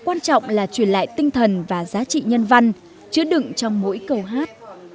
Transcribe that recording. quan trọng là truyền lại tinh thần và giá trị nhân văn chứa đựng trong mỗi câu hát